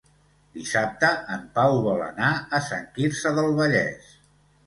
Dissabte en Pau vol anar a Sant Quirze del Vallès.